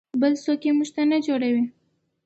بل څوک یې موږ ته نه جوړوي.